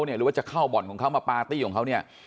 หรือว่าจะเข้าบ่อนของเขามาปาร์ตี้ของเขาเนี่ย